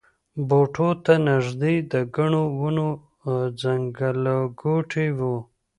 بوټو ته نږدې د ګڼو ونو ځنګلګوټی و.